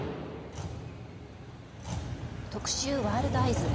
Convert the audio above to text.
特集「ワールドＥＹＥＳ」。